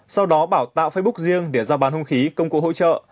sau đó bảo tạo facebook riêng để giao bán hung khí công cụ hỗ trợ